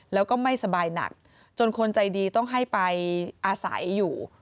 แล้วก็ไม่สบายหนักจนคนใจดีต้องให้ไปอาศัยอยู่